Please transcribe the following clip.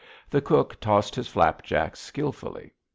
The cook tossed his flapjacks skillfully.